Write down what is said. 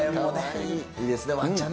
いいですね、ワンちゃんね。